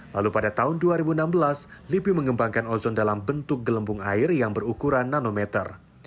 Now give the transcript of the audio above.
lalu pada tahun dua ribu enam belas lipi mengembangkan ozon dalam bentuk gelembung air yang berukuran nanometer